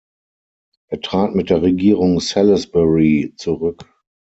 Er trat mit der Regierung Salisbury zurück.